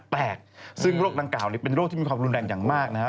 แตกซึ่งโรคดังกล่าวเป็นโรคที่มีความรุนแรงอย่างมากนะฮะ